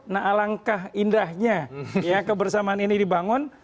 nah alangkah indahnya ya kebersamaan ini dibangun